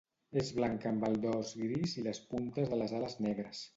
És blanca amb el dors gris i les puntes de les ales negres.